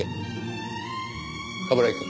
冠城くん。